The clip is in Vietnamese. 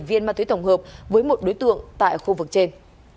một mươi hai viên ma túy tổng hợp với một đối tượng tại khu vực trên